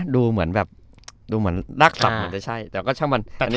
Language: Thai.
ดูเหมือนรักษะเหมือนกันกับ